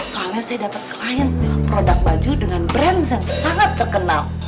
soalnya saya dapat klien produk baju dengan brand yang sangat terkenal